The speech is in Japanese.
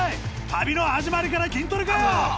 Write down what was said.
旅の始まりから筋トレかよ！